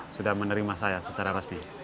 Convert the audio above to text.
sudah menerima saya secara resmi